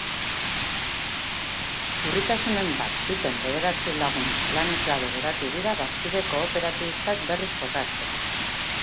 Urritasunen bat zuten bederatzi lagun lanik gabe geratu dira bazkide kooperatibistak berriz kokatzeko.